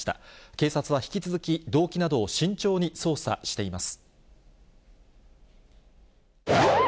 警察は引き続き、動機などを慎重に捜査しています。